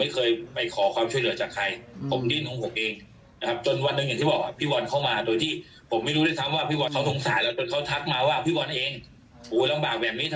เขานงสารถึงเขาทักมาว่า